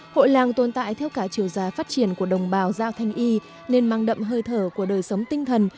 hội làng tồn tại theo cả chiều dài phát triển của đồng bào giao thanh y nên mang đậm hơi thở của đời sống tinh thần